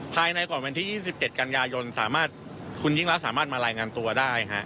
ภายในก่อนวันที่๒๗กันยายนสามารถคุณยิ่งรักสามารถมารายงานตัวได้